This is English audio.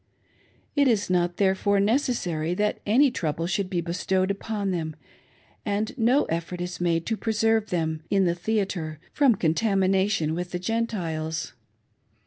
It is not therefore necessary that any trouble should be bestowed upon them, and no effort is made to preserve them, in the theatre, from contamination with the Gentiles.